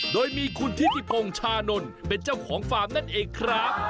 โดยมีคุณทิติพงชานนท์เป็นเจ้าของฟาร์มนั่นเองครับ